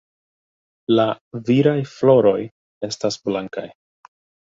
La viraj floroj estas blankaj.